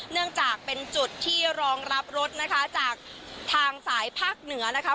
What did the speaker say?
เนื่องจากเป็นจุดที่รองรับรถนะคะจากทางสายภาคเหนือนะคะ